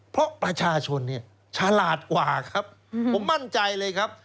เพราะประชาชนเนี่ยฉลาดกว่าครับผมมั่นใจเลยครับ